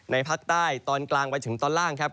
ภาคใต้ตอนกลางไปถึงตอนล่างครับ